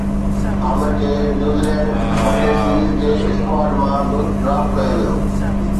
عامر کي New Zealand one day series جي squad مان به ڊراپ ڪيو ويو